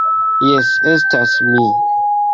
Jes, estas mi